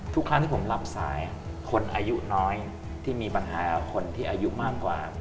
ทุกครั้งที่ผมรับสายคนอายุน้อยที่มีปัญหาคนที่อายุมากกว่า